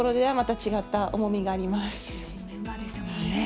中心メンバーでしたもんね。